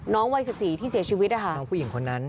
น้องวัยสิบสี่ที่เสียชีวิตอ่ะค่ะน้องผู้หญิงคนนั้น